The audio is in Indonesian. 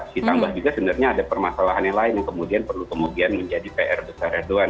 ditambah juga sebenarnya ada permasalahan yang lain yang kemudian perlu kemudian menjadi pr besar erdogan